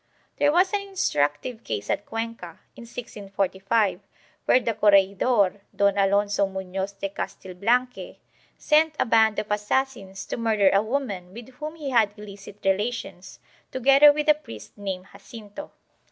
There was an instructive case at Cuenca, in 1645, where the corregidor, Don Alonso Muiioz de Castilblanque sent a band of assassins to murder a woman with whom he had illicit relations, together with a priest named Jacinto.